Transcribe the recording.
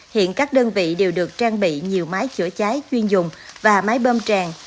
hiện các đơn vị đều được trang bị nhiều máy chữa cháy chuyên dùng và máy bơm tràn